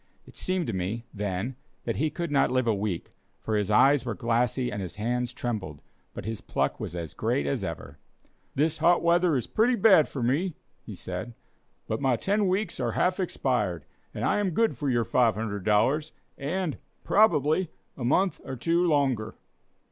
It seemed to me, then, that he could not live a week, for his eyes were glassy and his hands trembled, but his pluck was as great as ever. "This hot weather is pretty bad for me," he said, "but my ten weeks are half expired, and I am good for your $500, and, probably, a month or two longer."